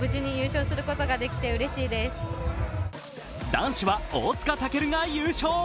男子は大塚健が優勝。